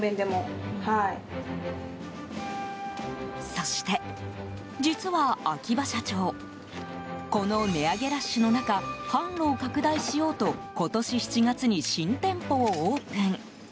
そして実は、秋葉社長この値上げラッシュの中販路を拡大しようと今年７月に新店舗をオープン。